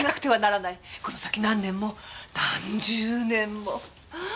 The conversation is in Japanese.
この先何年も何十年も。